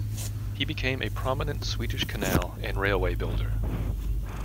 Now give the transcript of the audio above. He became a prominent Swedish canal and railway builder.